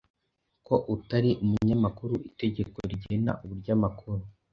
Ko utari umunyamakuru itegeko rigena uburyo amakuru